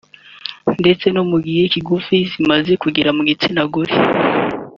ndetse no mu gihe kigufi zimaze kugera mu gitsina gore